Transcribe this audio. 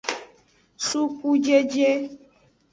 Sukujeje.